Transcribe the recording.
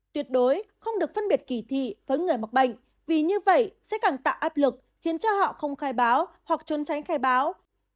tuyệt đối không được phân biệt kỳ thị với người mắc bệnh vì như vậy sẽ càng tạo áp lực khiến cho họ không khai báo hoặc trốn tránh khai báo